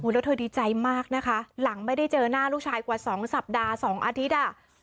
แล้วเธอดีใจมากนะคะหลังไม่ได้เจอหน้าลูกชายกว่า๒สัปดาห์๒อาทิตย์